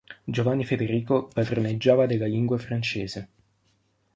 Giovanni Federico padroneggiava della lingua francese.